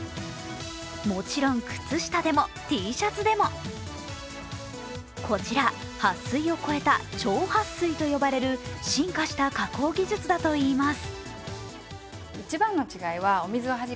もちろん靴下でも、Ｔシャツでもこちら、はっ水を超えた超はっ水と呼ばれる、進化した加工技術だといいます。